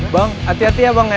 bang hati hati ya bang ya